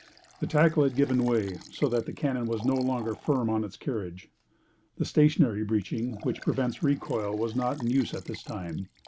The tackle had given way, so that the cannon was no longer firm on its carriage. The stationary breeching, which prevents recoil, was not in use at this time.